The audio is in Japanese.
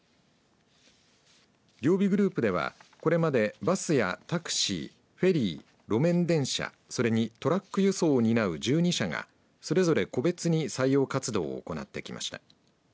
両備グループではこれまでバスやタクシーフェリー路面電車それにトラック輸送を担う１２社がそれぞれ個別に採用活動を行ってきました。